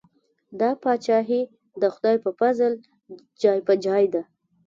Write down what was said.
دا پاچاهي د خدای په پزل جای په جای ده.